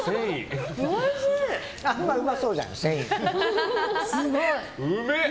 あんまうまそうじゃない繊維って。